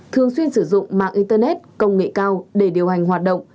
thường xuyên sử dụng mạng internet công nghệ cao để điều hành hoạt động